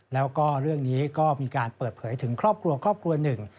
แล้วก็เรื่องนี้ก็มีการเปิดเผยถึงครอบครัวครอบครัวหนึ่ง